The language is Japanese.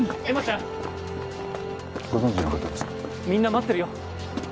みんな待ってるよ。